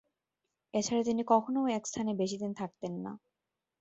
এছাড়া তিনি কখনও এক স্থানে বেশি দিন থাকতেন না।